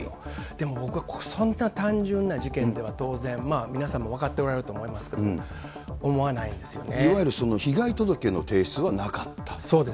でも、僕はそんな単純な事件では当然、皆さんも分かっておられると思いますけれども、いわゆる被害届の提出はなかそうです。